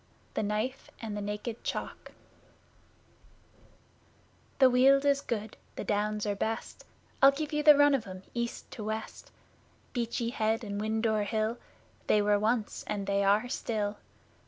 THE KNIFE AND THE NAKED CHALK The Run of the Downs The Weald is good, the Downs are best I'll give you the run of 'em, East to West. Beachy Head and Winddoor Hill, They were once and they are still.